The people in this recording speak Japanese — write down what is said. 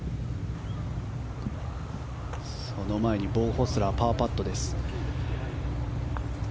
その前にボウ・ホスラーパーパットです。